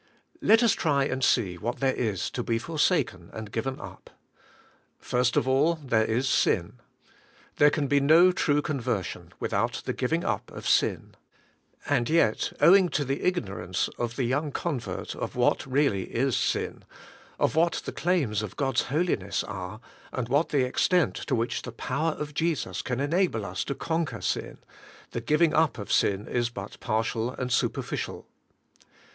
Let us try and see what there is to be forsaken and given up. First of all, there is sin. There can be no true conversion without the giving up of sin. And yet, owing to the ignorance of the young con vert of what really is sin, of what the claims of God's holiness are, and what the extent to which the power of Jesus can enable us to conquer sin, the giving up of sin is but partial and superficial.